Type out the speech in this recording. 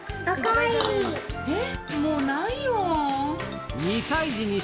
えっ！